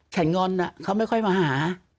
ฉันงอนอะคะไม่ค่อยมาหา